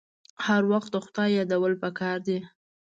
هر وخت د خدای یادول پکار دي.